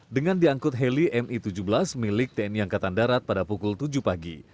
dengan diangkut heli mi tujuh belas milik tni angkatan darat pada pukul tujuh pagi